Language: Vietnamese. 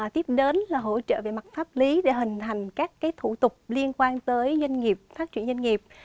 tiếp đến là hỗ trợ về mặt pháp lý để hình hành các thủ tục liên quan tới nhân nghiệp phát triển nhân nghiệp